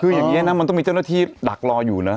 คืออย่างนี้นะมันต้องมีเจ้าหน้าที่ดักรออยู่นะ